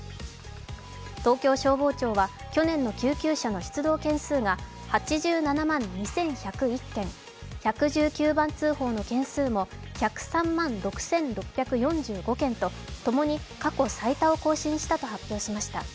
東京消防庁は去年の救急車の出動件数が８７万２１０１件、１１９番通報の件数も、１０３万６６４５件と共に過去最多を更新したと発表しました。